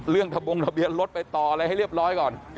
ทะบงทะเบียนรถไปต่ออะไรให้เรียบร้อยก่อน